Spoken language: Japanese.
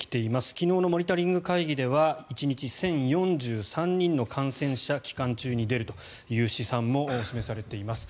昨日のモニタリング会議では１日１０４３人の感染者が期間中に出るという試算も示されています。